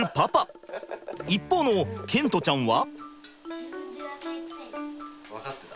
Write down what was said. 一方の賢澄ちゃんは？